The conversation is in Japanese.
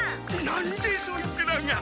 何でそいつらが！？